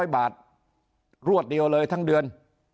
๐บาทรวดเดียวเลยทั้งเดือน